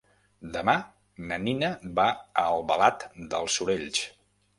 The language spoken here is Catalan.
Demà na Nina va a Albalat dels Sorells.